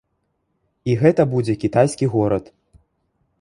І гэта будзе кітайскі горад.